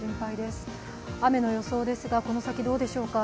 雨の予想ですが、この先どうでしょうか。